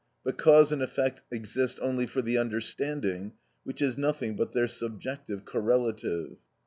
But cause and effect exist only for the understanding, which is nothing but their subjective correlative.